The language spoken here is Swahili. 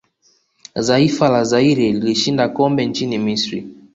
zaifa la Zaire lilishinda kikombe nchini misri